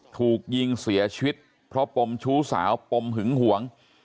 ถูกยิงเสียชีวิตเพราะปมชู้สาวปมหึงหวง